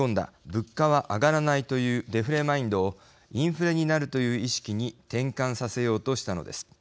物価は上がらないというデフレマインドをインフレになるという意識に転換させようとしたのです。